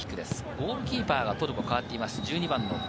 ゴールキーパーがトルコ代わっています。